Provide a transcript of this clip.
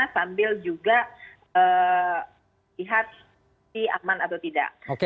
sambil juga lihat si ahmad atau tidak